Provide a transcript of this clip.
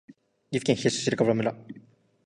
岐阜県東白川村